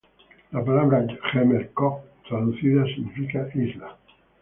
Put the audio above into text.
La palabra jemer Koh, traducida significa isla.